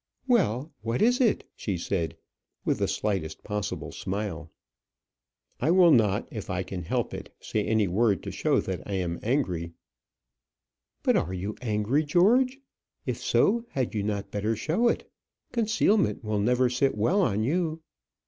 "Well, what is it?" she said, with the slightest possible smile. "I will not, if I can help it, say any word to show that I am angry " "But are you angry, George? If so, had you not better show it? Concealment will never sit well on you."